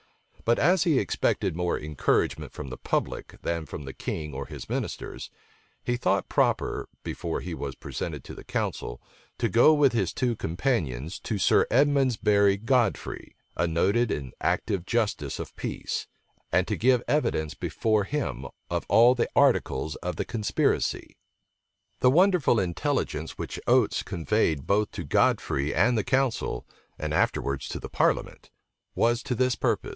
But as he expected more encouragement from the public than from the king or his ministers, he thought proper, before he was presented to the council, to go with his two companions to Sir Edmundsbury Godfrey, a noted and active justice of peace, and to give evidence before him of all the articles of the conspiracy. The wonderful intelligence which Oates conveyed both to Godfrey and the council, and afterwards to the parliament, was to this purpose.